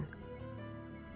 nazila harus menjaga dirinya